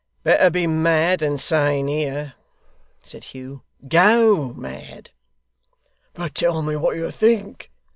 'Better be mad than sane, here,' said Hugh. 'GO mad.' 'But tell me what you think.